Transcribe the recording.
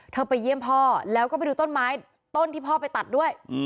ไปเยี่ยมพ่อแล้วก็ไปดูต้นไม้ต้นที่พ่อไปตัดด้วย